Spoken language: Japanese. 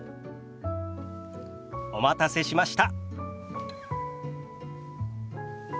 お待たせしました。